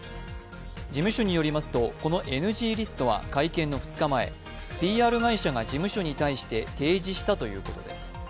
事務所によりますと、このＮＧリストは会見の２日前ＰＲ会社が事務所に対して提示したということです。